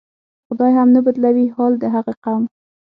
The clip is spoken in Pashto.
"خدای هم نه بدلوي حال د هغه قوم".